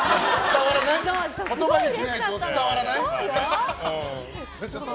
言葉で言わないと伝わらない？